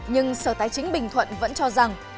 nhưng sở tài chính bình thuận vẫn cho rằng